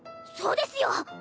そうですよ！